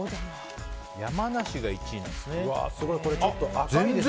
山梨が１位なんですね。